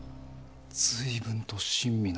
随分と親身な。